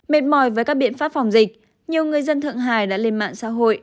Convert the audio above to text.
mệt mỏi với các biện pháp phòng dịch nhiều người dân thượng hải đã lên mạng xã hội